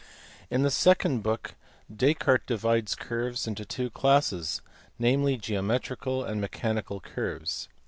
In the second book Descartes divides curves into two classes ; namely, geometrical and mechanical curves.